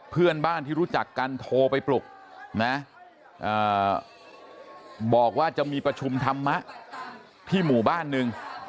เพื่อนบ้านที่รู้จักกันโทรไปปลุกนะบอกว่าจะมีประชุมธรรมะที่หมู่บ้านหนึ่ง